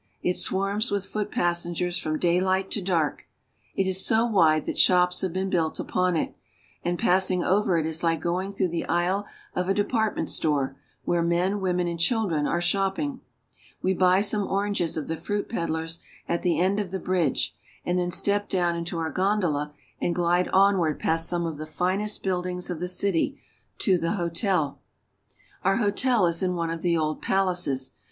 It swarms with foot passengers from daylight to dark. It is so wide that shops have been built upon it, and passing over it is like going through the aisle of a department store where men, women, and children are shopping. We buy some oranges of the fruit peddlers at the end of the bridge, and then step down into our gondola and glide onward past some of the finest buildings of the city to the hotel. Our hotel is in one of the old palaces.